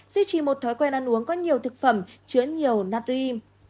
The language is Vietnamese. duy trì một thói quen ăn uống có nhiều thực phẩm chứa nhiều natrim